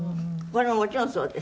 これももちろんそうです。